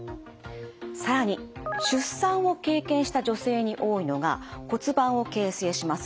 更に出産を経験した女性に多いのが骨盤を形成します